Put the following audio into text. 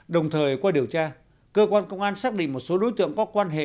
đồng thời qua điều tra cơ quan công an xác định một số đối tượng có quan hệ